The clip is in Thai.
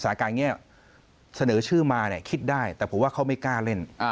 สถานการณ์นี้เสนอชื่อมาคิดได้แต่ผมว่าเขาไม่กล้าเล่น